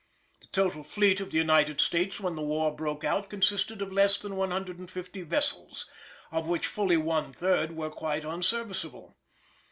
The total fleet of the United States when the war broke out consisted of less than 150 vessels, of which fully one third were quite unserviceable.